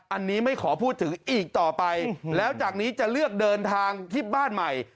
อันนี้ไม่ขอพูดถึงอีกต่อไปแล้วจากนี้จะเลือกเดินทางที่บ้านใหม่